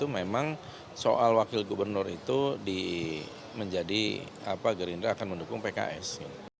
memang soal wakil gubernur itu menjadi gerindra akan mendukung pks